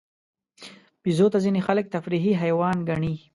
بیزو ته ځینې خلک تفریحي حیوان ګڼي.